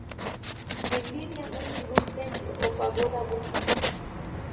En Libia no hay ningún templo o pagoda budista.